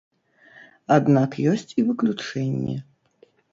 Аднак ёсць і выключэнне.